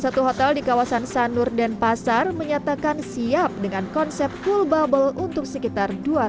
satu hotel di kawasan sanur dan pasar menyatakan siap dengan konsep full bubble untuk sekitar dua ratus